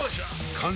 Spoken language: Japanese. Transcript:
完成！